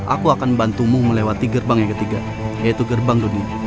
aku akan bantumu melewati gerbang yang ketiga yaitu gerbang dunia